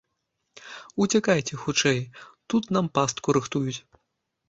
Уцякайце хутчэй, тут нам пастку рыхтуюць!